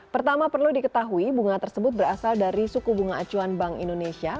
pertama perlu diketahui bunga tersebut berasal dari suku bunga acuan bank indonesia